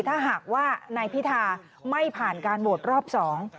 ถ้าหากว่านายพิธาไม่ผ่านการโหวตรอบสอง